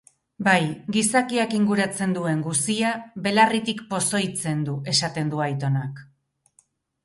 Bai, gizakiak inguratzen duen guzia belarritik pozoitzen du, esaten zuen aitonak.